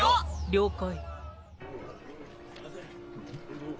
了解。